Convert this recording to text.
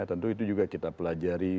tentu itu juga kita pelajari